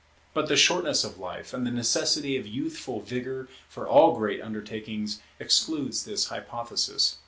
But the shortness of life, and the necessity of youthful vigour for all great undertakings, excludes this hypothesis.